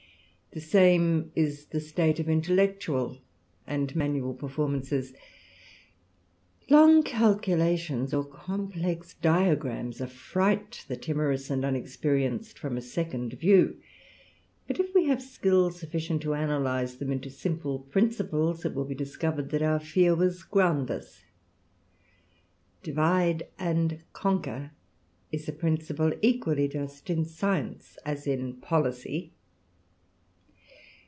The same is the state of intellectual and manual per formances. Long calculations or complex diagrams affright the timorous and unexperienced from a second view ; but if we have skill sufficient to analyze them into simple principles, it will be discovered that our fear was groundless. Dividt and conquer^ is a principle equally just in science as in policy.